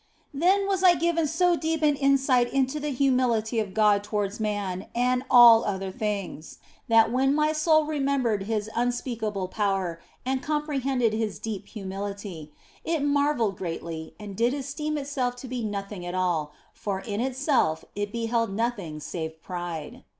Then was I given so deep an insight into the humility of God to wards man and all other things that when my soul re membered His unspeakable power and comprehended His deep humility, it marvelled greatly and did esteem itself to be nothing at all, for in itself it beheld nothing save pride.